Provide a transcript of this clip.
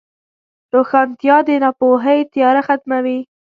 روښانتیا د ناپوهۍ تیاره ختموي.